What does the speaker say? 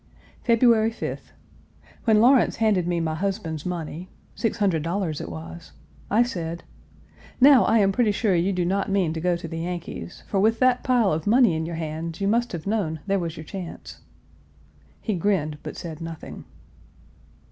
February 5th. When Lawrence handed me my husband's money (six hundred dollars it was) I said: "Now I am pretty sure you do not mean to go to the Yankees, for with that pile of money in your hands you must have known there was your chance." He grinned, but said nothing.